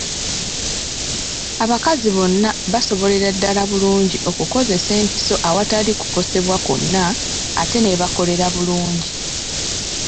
Abakazi bonna basobolera ddala bulungi okukozesa empiso awatali kukosebwa kwonna ate n’ebakolera bulungi.